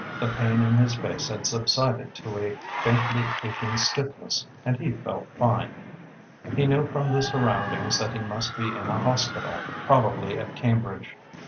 The pain in his face had subsided to a faintly aching stiffness and he felt fine. He knew from the surroundings that he must be in a hospital, probably at Cambridge.